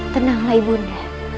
tenanglah ibu nda